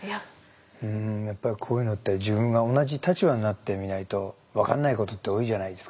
やっぱりこういうのって自分が同じ立場になってみないと分かんないことって多いじゃないですか。